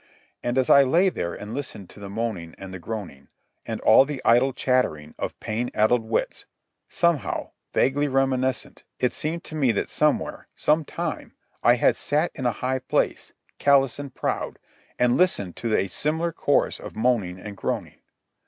And as I lay there and listened to the moaning and the groaning, and all the idle chattering of pain addled wits, somehow, vaguely reminiscent, it seemed to me that somewhere, some time, I had sat in a high place, callous and proud, and listened to a similar chorus of moaning and groaning.